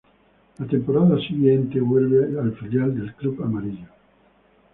La temporada siguiente vuelve al filial del club amarillo.